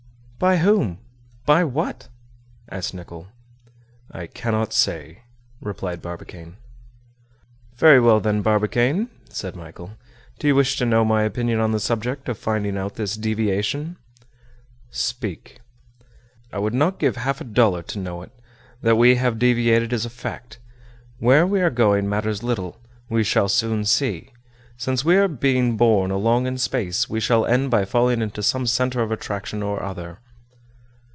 "By whom? by what?" asked Nicholl. "I cannot say," replied Barbicane. "Very well, then, Barbicane," said Michel, "do you wish to know my opinion on the subject of finding out this deviation?" "Speak." "I would not give half a dollar to know it. That we have deviated is a fact. Where we are going matters little; we shall soon see. Since we are being borne along in space we shall end by falling into some center of attraction or other."